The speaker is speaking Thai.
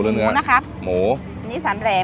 สูอีค่ะเผ็ดไหมคะยังมั้ยยังอีติดทิ้งเลย